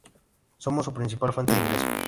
Somos su principal fuente de ingreso.